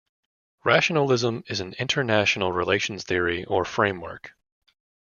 Rationalism is an international relations theory or framework.